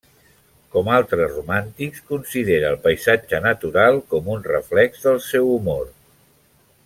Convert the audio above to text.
Com altres romàntics, considera el paisatge natural com un reflex del seu humor.